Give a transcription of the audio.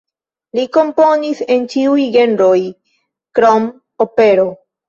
Li komponis en ĉiuj genroj krom opero.